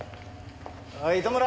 おい糸村！